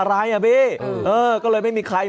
บ้าจริงเดี๋ยว